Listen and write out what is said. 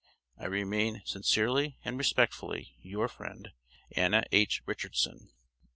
I remain, sincerely and respectfully, your friend, Anna H. Richardson.